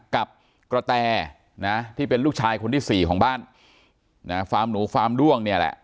กับกระแตนะที่เป็นลูกชายคนที่สี่ของบ้านนะฟาร์มหนูฟาร์มด้วงเนี่ยแหละ